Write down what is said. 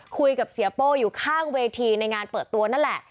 คุยกับเสียโป้อยู่ข้างเวทีในงานเปิดตัวนั่นแหละ